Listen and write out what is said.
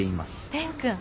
蓮くん。